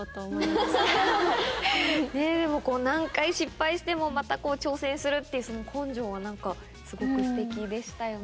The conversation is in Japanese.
何回失敗してもまた挑戦するっていうその根性はすごくステキでしたよね。